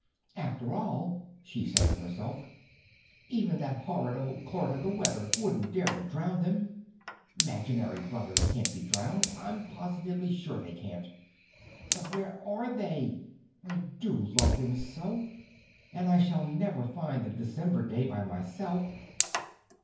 "After all," she said to herself, "even that horrid old Clerk of the Weather wouldn't dare to drown them! 'Maginary brothers can't be drowned, I'm positively sure they can't. But where are they? I do love them so! And I shall never find the December day by myself."